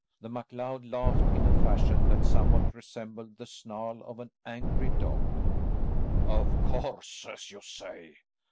The MacLeod laughed in a fashion that somewhat resembled the snarl of an angry dog. "Of course, as you say.